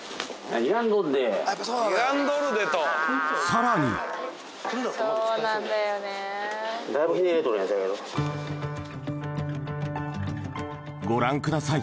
さらにご覧ください